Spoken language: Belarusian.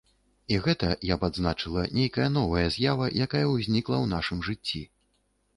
І гэта, я б адзначыла, нейкая новая з'ява, якая ўзнікла ў нашым жыцці.